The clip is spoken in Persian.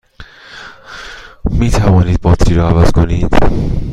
می توانید باتری را عوض کنید؟